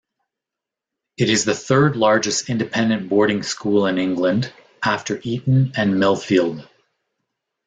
It is the third largest independent boarding school in England, after Eton and Millfield.